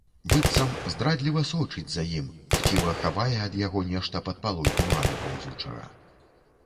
Быццам здрадліва сочыць за ім, хціва хавае ад яго нешта пад палой туману паўзучага.